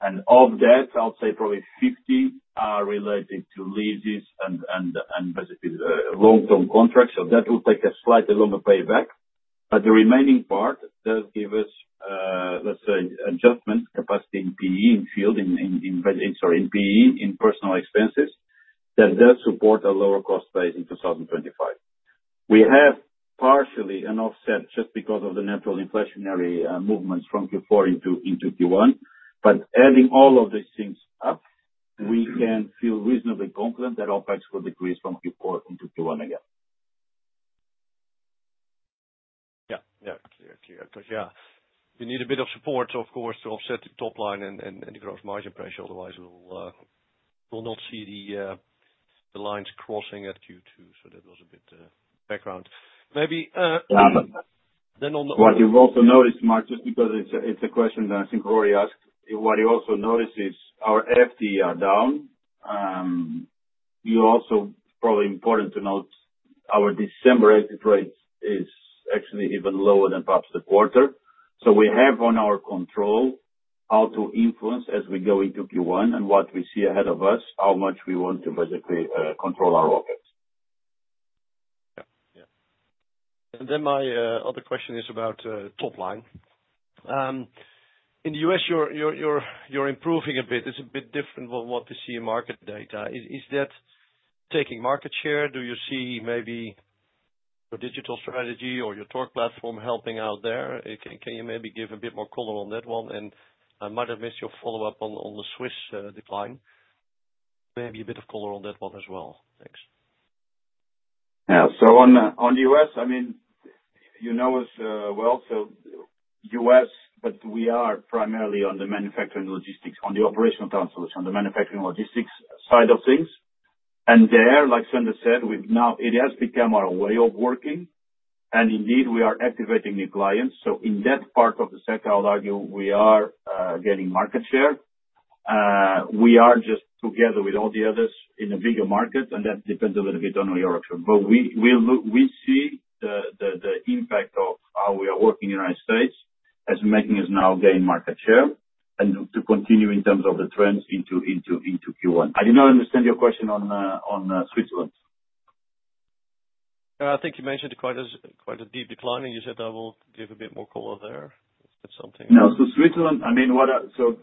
And of that, I'll say probably 50 million are related to leases and basically long-term contracts. So that will take a slightly longer payback. But the remaining part does give us, let's say, adjustment capacity in PE, in field, sorry, in PE, in personnel expenses that does support a lower cost base in 2025. We have partially an offset just because of the natural inflationary movements from Q4 into Q1. But adding all of these things up, we can feel reasonably confident that OpEx will decrease from Q4 into Q1 again. Yeah. Yeah. Clear. Clear. Because yeah, you need a bit of support, of course, to offset the top line and the gross margin pressure. Otherwise, we'll not see the lines crossing at Q2. So that was a bit of background. Maybe then on the what you've also noticed, Marc, just because it's a question that I think Rory asked, what you also notice is our FTE are down. You also probably important to note our December exit rate is actually even lower than perhaps the quarter. So we have on our control how to influence as we go into Q1 and what we see ahead of us, how much we want to basically control our OpEx. Yeah. Yeah. And then my other question is about top line. In the US, you're improving a bit. It's a bit different from what we see in market data. Is that taking market share? Do you see maybe your Digital strategy or your Torc platform helping out there? Can you maybe give a bit more color on that one? And I might have missed your follow-up on the Swiss decline. Maybe a bit of color on that one as well. Thanks. Yeah, so on the US, I mean, you know us well, so US, but we are primarily on the manufacturing logistics, on the Operational Talent Solution, the manufacturing logistics side of things, and there, like Sander said, it has become our way of working, and indeed, we are activating new clients, so in that part of the sector, I would argue we are getting market share. We are just together with all the others in a bigger market. That depends a little bit on your option. We see the impact of how we are working in the United States as making us now gain market share and to continue in terms of the trends into Q1. I did not understand your question on Switzerland. I think you mentioned quite a deep decline. You said I will give a bit more color there. Is that something? No. Switzerland, I mean, so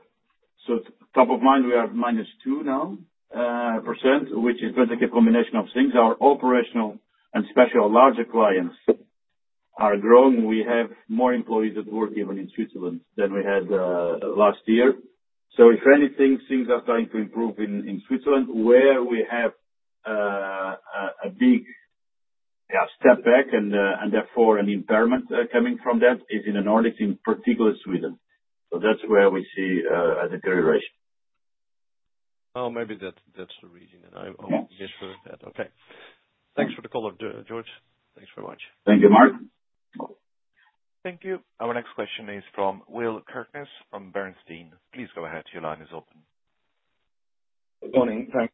top of mind, we are -2% now, which is basically a combination of things. Our Operational and special larger clients are growing. We have more employees at work even in Switzerland than we had last year. If anything, things are starting to improve in Switzerland, where we have a big step back and therefore an impairment coming from that is in the Nordics, in particular Sweden. So that's where we see a deterioration. Oh, maybe that's the reason. And I'll make sure of that. Okay. Thanks for the call, Jorge. Thanks very much. Thank you, Mark. Thank you. Our next question is from Will Kirkness from Bernstein. Please go ahead. Your line is open. Good morning. Thanks.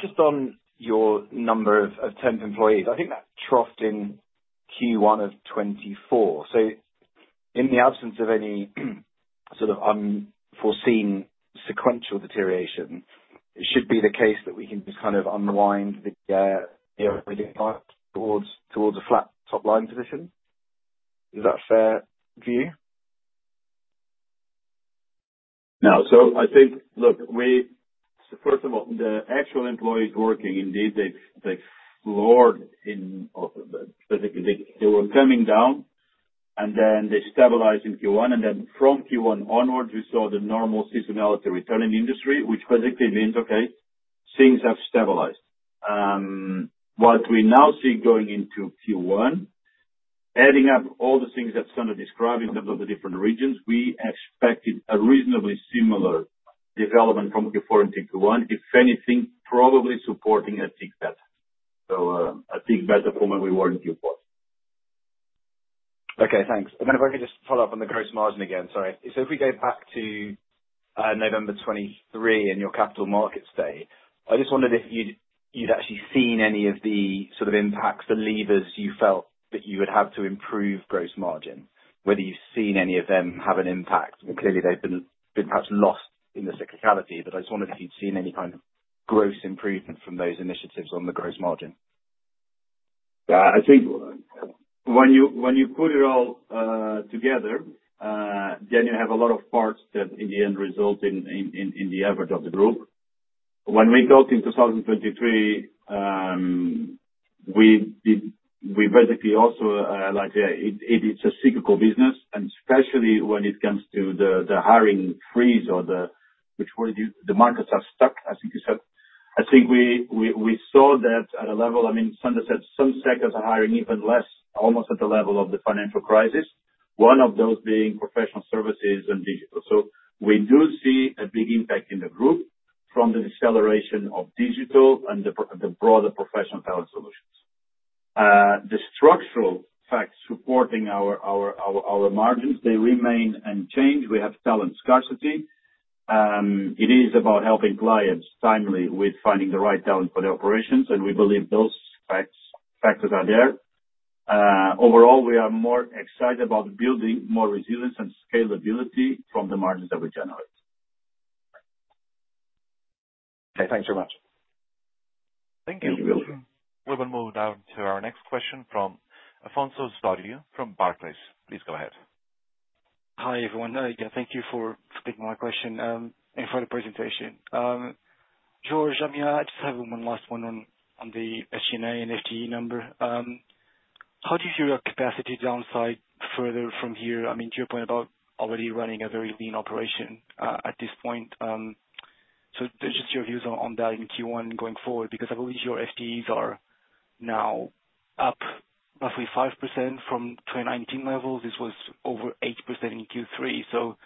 Just on your number of temp employees, I think that's troughed in Q1 of 2024. So in the absence of any sort of unforeseen sequential deterioration, it should be the case that we can just kind of unwind the overhead towards a flat top line position. Is that a fair view? No. So I think, look, first of all, the actual employees working, indeed, they've floored in basically they were coming down, and then they stabilized in Q1. And then from Q1 onwards, we saw the normal seasonality returning industry, which basically means, okay, things have stabilized. What we now see going into Q1, adding up all the things that Sander described in terms of the different regions, we expected a reasonably similar development from Q4 into Q1, if anything, probably supporting a tick better. So a tick better from where we were in Q4. Okay. Thanks. If I can just follow up on the gross margin again, sorry. If we go back to November 2023 and your Capital Markets Day, I just wondered if you'd actually seen any of the sort of impacts, the levers you felt that you would have to improve gross margin, whether you've seen any of them have an impact. Clearly, they've been perhaps lost in the cyclicality. But I just wondered if you'd seen any kind of gross improvement from those initiatives on the gross margin. Yeah. I think when you put it all together, then you have a lot of parts that in the end result in the average of the group. When we talked in 2023, we basically also like it's a cyclical business, and especially when it comes to the hiring freeze or the markets are stuck, I think you said. I think we saw that at a level. I mean, Sander said some sectors are hiring even less, almost at the level of the financial crisis, one of those being Professional Services and Digital. So we do see a big impact in the group from the deceleration of Digital and the broader Professional Talent Solutions. The structural facts supporting our margins, they remain unchanged. We have talent scarcity. It is about helping clients timely with finding the right talent for the operations, and we believe those factors are there. Overall, we are more excited about building more resilience and scalability from the margins that we generate. Okay. Thanks very much. Thank you. We will move now to our next question from Afonso Osório. Please go ahead. Hi, everyone. Yeah. Thank you for taking my question and for the presentation. Jorge, I mean, I just have one last one on the SG&A and FTE number. How do you view your capacity downside further from here? I mean, to your point about already running a very lean operation at this point. So just your views on that in Q1 going forward, because I believe your FTEs are now up roughly 5% from 2019 levels. This was over 8% in Q3. So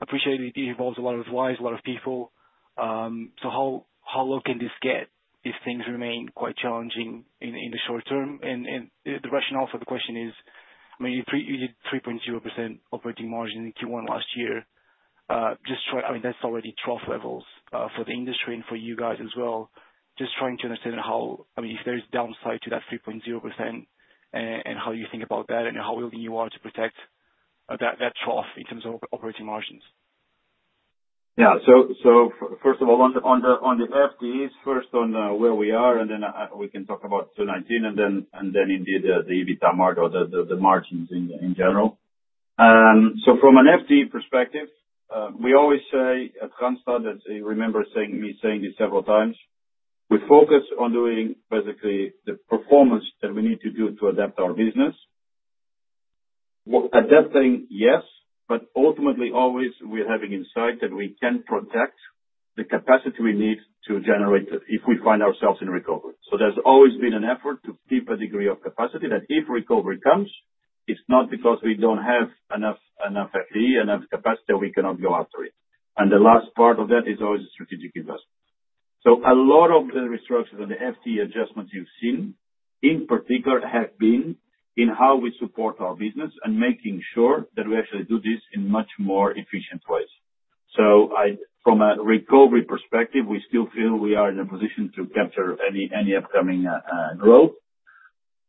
I appreciate it involves a lot of lives, a lot of people. So how low can this get if things remain quite challenging in the short term? The rationale for the question is, I mean, you did 3.0% operating margin in Q1 last year. Just trying, I mean, that's already trough levels for the industry and for you guys as well. Just trying to understand how, I mean, if there's downside to that 3.0% and how you think about that and how willing you are to protect that trough in terms of operating margins. Yeah. So first of all, on the FTEs, first on where we are, and then we can talk about 2019 and then indeed the EBITDA mark or the margins in general. So from an FTE perspective, we always say at Randstad that I remember me saying this several times. We focus on doing basically the performance that we need to do to adapt our business. Adapting, yes, but ultimately always we're having insight that we can protect the capacity we need to generate if we find ourselves in recovery. So there's always been an effort to keep a degree of capacity that if recovery comes, it's not because we don't have enough FTE, enough capacity that we cannot go after it. And the last part of that is always a strategic investment. So a lot of the restructuring and the FTE adjustments you've seen, in particular, have been in how we support our business and making sure that we actually do this in much more efficient ways. So from a recovery perspective, we still feel we are in a position to capture any upcoming growth.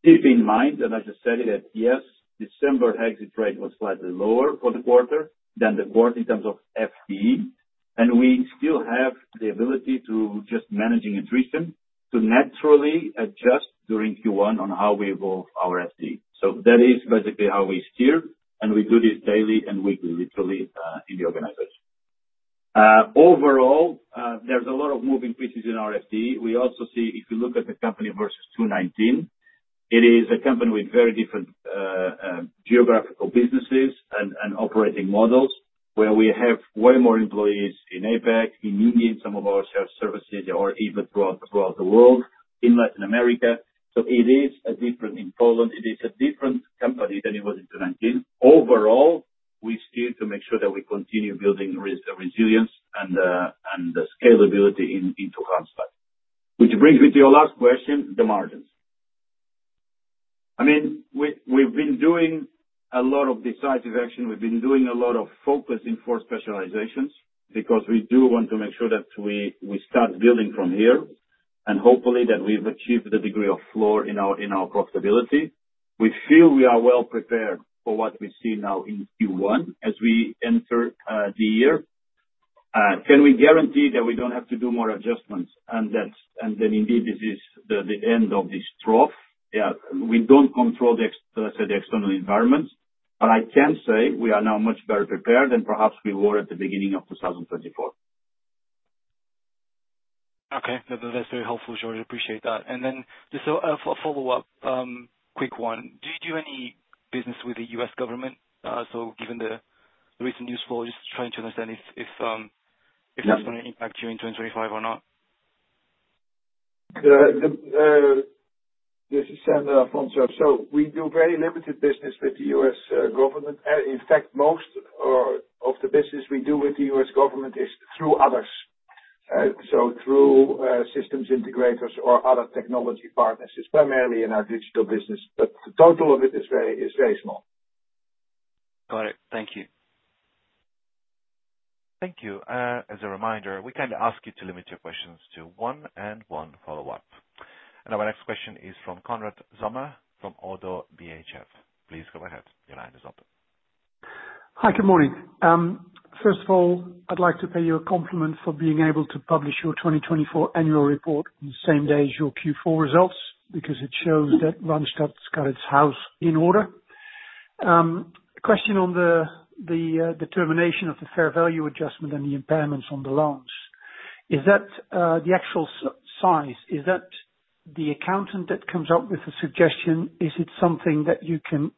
Keep in mind that I just said that, yes, December exit rate was slightly lower for the quarter than the quarter in terms of FTE. We still have the ability to, just managing it recently, to naturally adjust during Q1 on how we evolve our FTE. So that is basically how we steer. We do this daily and weekly, literally in the organization. Overall, there's a lot of moving pieces in our FTE. We also see, if you look at the company versus 2019, it is a company with very different geographical businesses and operating models where we have way more employees in APAC, in India, in some of our shared services, or even throughout the world, in Latin America. So it is different in Poland. It is a different company than it was in 2019. Overall, we steer to make sure that we continue building resilience and scalability into Randstad. Which brings me to your last question, the margins. I mean, we've been doing a lot of decisive action. We've been doing a lot of focusing for specializations because we do want to make sure that we start building from here and hopefully that we've achieved a degree of floor in our profitability. We feel we are well prepared for what we see now in Q1 as we enter the year. Can we guarantee that we don't have to do more adjustments and that indeed this is the end of this trough? Yeah. We don't control the external environment, but I can say we are now much better prepared than perhaps we were at the beginning of 2024. Okay. That's very helpful, Jorge. I appreciate that. And then just a follow-up, quick one. Do you do any business with the U.S. government? So given the recent news flow, just trying to understand if that's going to impact you in 2025 or not. This is Sander, Afonso. So we do very limited business with the U.S. government. In fact, most of the business we do with the U.S. government is through others. So through systems integrators or other technology partners. It's primarily in our Digital business, but the total of it is very small. Got it. Thank you. Thank you. As a reminder, we kind of ask you to limit your questions to one and one follow-up. And our next question is from Konrad Zomer from ODDO BHF. Please go ahead. Your line is open. Hi. Good morning. First of all, I'd like to pay you a compliment for being able to publish your 2024 annual report on the same day as your Q4 results because it shows that Randstad's got its house in order. Question on the determination of the fair value adjustment and the impairments on the loans. Is that the actual size? Is that the accountant that comes up with a suggestion? Is it something that you can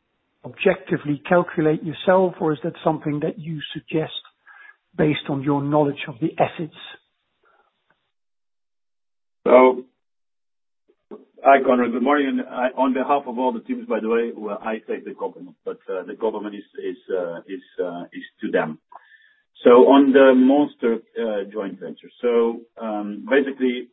objectively calculate yourself, or is that something that you suggest based on your knowledge of the assets? Hi, Konrad. Good morning. On behalf of all the teams, by the way, I take the compliment, but the compliment is to them. On the Monster joint venture, basically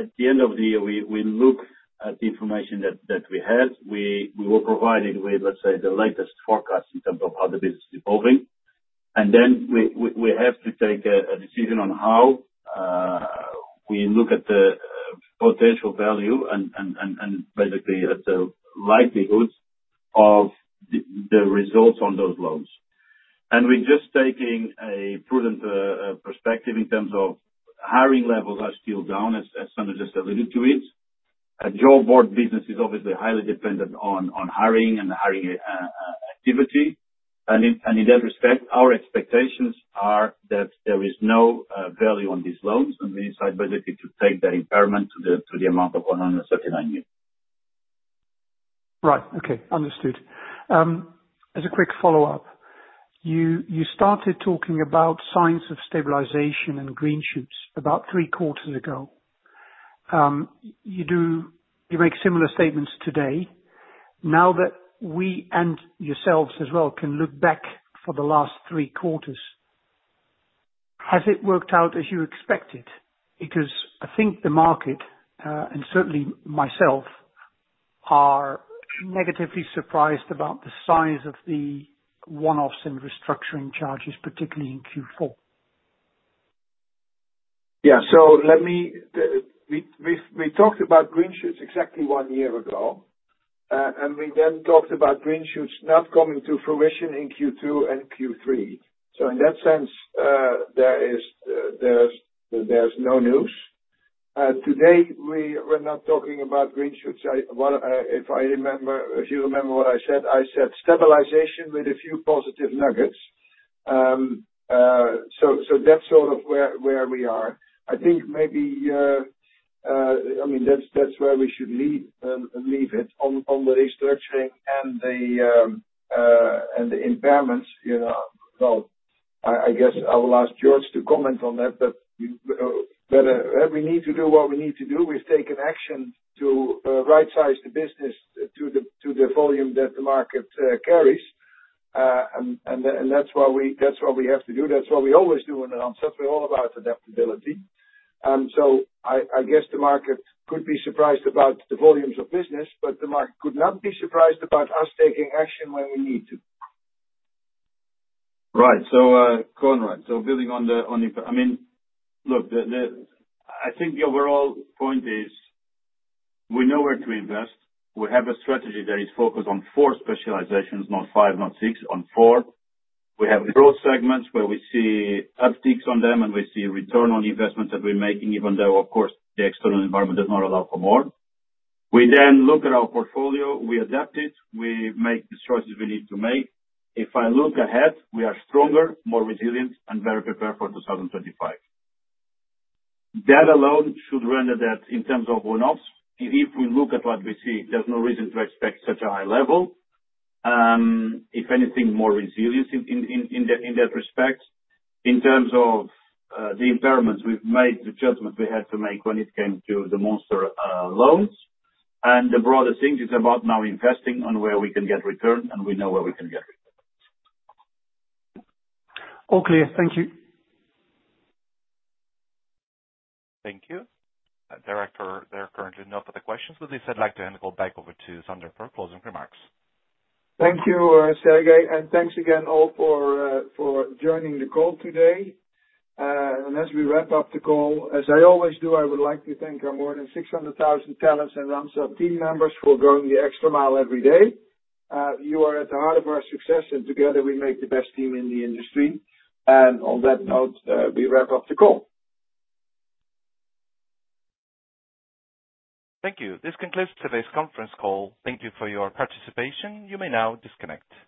at the end of the year, we look at the information that we have. We were provided with, let's say, the latest forecast in terms of how the business is evolving. Then we have to take a decision on how we look at the potential value and basically at the likelihood of the results on those loans. We're just taking a prudent perspective in terms of hiring levels are still down, as Sander just alluded to it. Job board business is obviously highly dependent on hiring and the hiring activity. And in that respect, our expectations are that there is no value on these loans. And we decide basically to take that impairment to the amount of 139 million. Right. Okay. Understood. As a quick follow-up, you started talking about signs of stabilization and green shoots about three quarters ago. You make similar statements today. Now that we and yourselves as well can look back for the last three quarters, has it worked out as you expected? Because I think the market, and certainly myself, are negatively surprised about the size of the one-offs and restructuring charges, particularly in Q4. Yeah. So we talked about green shoots exactly one year ago, and we then talked about green shoots not coming to fruition in Q2 and Q3. So in that sense, there's no news. Today, we're not talking about green shoots. If I remember, if you remember what I said, I said stabilization with a few positive nuggets. So that's sort of where we are. I think maybe, I mean, that's where we should leave it on the restructuring and the impairments. Well, I guess I will ask Jorge to comment on that, but we need to do what we need to do. We've taken action to right-size the business to the volume that the market carries. And that's what we have to do. That's what we always do in Randstad. We're all about adaptability. And so I guess the market could be surprised about the volumes of business, but the market could not be surprised about us taking action when we need to. Right. Konrad, building on that, I mean, look, I think the overall point is we know where to invest. We have a strategy that is focused on four specializations, not five, not six, on four. We have growth segments where we see upticks on them, and we see return on investment that we're making, even though, of course, the external environment does not allow for more. We then look at our portfolio. We adapt it. We make the choices we need to make. If I look ahead, we are stronger, more resilient, and better prepared for 2025. That alone should render that in terms of one-offs. If we look at what we see, there's no reason to expect such a high level. If anything, more resilience in that respect. In terms of the impairments, we've made the judgment we had to make when it came to the Monster loans. And the broader thing is about now investing on where we can get return, and we know where we can get return. All clear. Thank you. Thank you. Director, there are currently no further questions. With this, I'd like to hand the call back over to Sander for closing remarks. Thank you, Serge. And thanks again all for joining the call today. And as we wrap up the call, as I always do, I would like to thank our more than 600,000 talents and Randstad team members for going the extra mile every day. You are at the heart of our success, and together we make the best team in the industry. And on that note, we wrap up the call. Thank you. This concludes today's conference call. Thank you for your participation. You may now disconnect.